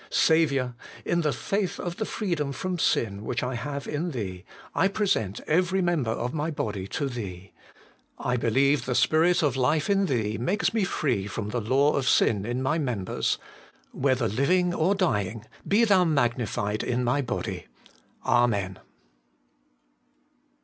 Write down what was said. Saviour ! in the faith of the freedom from sin which I have in Thee, I present every member of my body to Thee : I believe the Spirit of life in Thee makes me free from the law of sin in my members. Whether living or dying, be Thou magnified in my body. Amen.